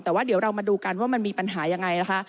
แต่ว่าเดี๋ยวเรามาดูกันว่ามันมีปัญหายังไงนะคะ